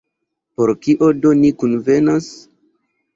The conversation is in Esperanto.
Por kio do ni kunvenas?